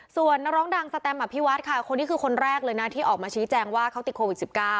ส่วนนักร้องดังสแตมอภิวัฒน์ค่ะคนนี้คือคนแรกเลยนะที่ออกมาชี้แจงว่าเขาติดโควิด๑๙